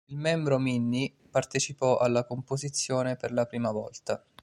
Il membro Minnie partecipò alla composizione per la prima volta.